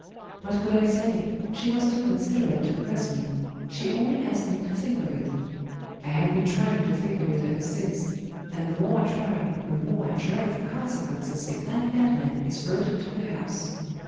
What could I say? She was too considerate to press me; she only asked me to think of it. I have been trying to think of it ever since and the more I try, the more I dread the consequences if that madman is brought into the house."